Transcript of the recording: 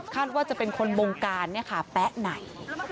ว่าจะเป็นคนบงการเนี่ยค่ะแป๊ะไหน